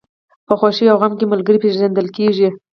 په خوښۍ او غم کې ملګری پېژندل کېږي.